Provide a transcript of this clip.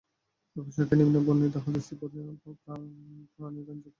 এ প্রসঙ্গে নিম্নে বর্ণিত হাদীসটি প্রণিধানযোগ্য।